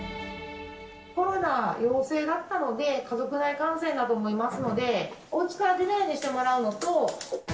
コロナ陽性だったので、家族内感染だと思いますので、おうちから出ないようにしてもらうのと。